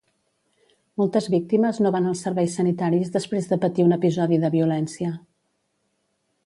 Moltes víctimes no van als serveis sanitaris després de patir un episodi de violència